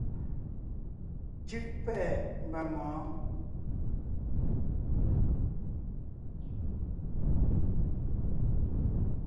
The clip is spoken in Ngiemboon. Cú’ pɛ́’ɛ mba mɔ̌ɔn.